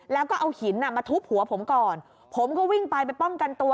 แล้วก็เอาหินอ่ะมาทุบหัวผมก่อนผมก็วิ่งไปไปป้องกันตัว